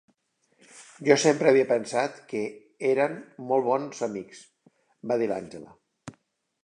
"Jo sempre havia pensat que eren molt bons amics", va dir l'Angela.